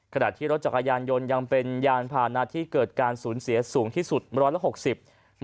ขณะที่รถจักรยานยนตร์ยังเป็นยานปารณาที่เกิดการศูนย์เสียสูงที่สุด๑๖๐ริม